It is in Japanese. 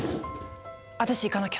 私行かなきゃ！